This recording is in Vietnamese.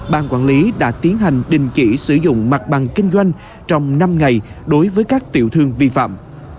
ban quản lý đã tiến hành đình chỉ sử dụng mặt bằng kinh doanh trong năm ngày đối với các tiểu thương vi phạm